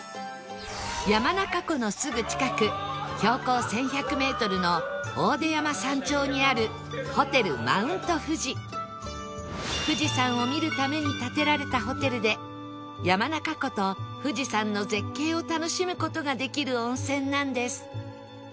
山中湖のすぐ近く標高１１００メートルの大出山山頂にある富士山を見るために建てられたホテルで山中湖と富士山の絶景を楽しむ事ができる温泉なんです